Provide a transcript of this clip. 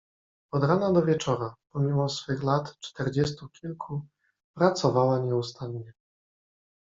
"Od rana do wieczora, pomimo swych lat czterdziestu kilku, pracowała nieustannie."